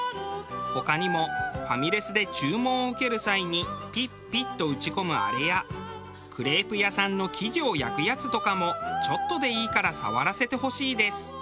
他にもファミレスで注文を受ける際にピッピッと打ち込むあれやクレープ屋さんの生地を焼くやつとかもちょっとでいいから触らせてほしいです。